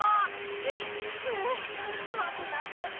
はあはああぶなかった。